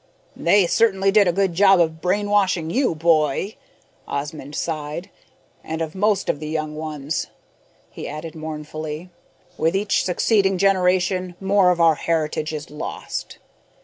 "They certainly did a good job of brainwashing you, boy," Osmond sighed. "And of most of the young ones," he added mournfully. "With each succeeding generation, more of our heritage is lost."